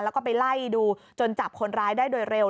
แล้วก็ไปไล่ดูจนจับคนร้ายได้โดยเร็ว